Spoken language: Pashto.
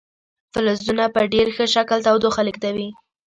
فلزونه په ډیر ښه شکل تودوخه لیږدوي.